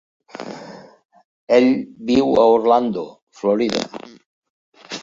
Ell viu a Orlando, Florida.